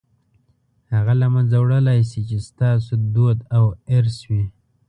هغه له منځه وړلای شئ چې ستاسو دود او ارث وي.